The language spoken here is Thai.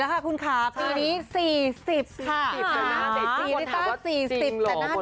๔๐แต่หน้าเด็กจริงคนถามว่า๔๐แต่หน้าเด็กมากนะครับ